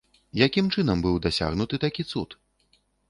Якім чынам быў дасягнуты такі цуд?